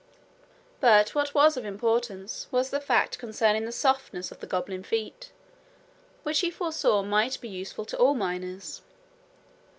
But what was of importance was the fact concerning the softness of the goblin feet, which he foresaw might be useful to all miners.